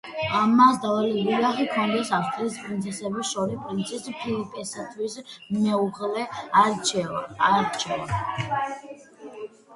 მას დავალებული ჰქონდა ავსტრიის პრინცესებს შორის პრინცი ფილიპესათვის მეუღლის არჩევა.